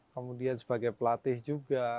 kemudian sebagai pelatih juga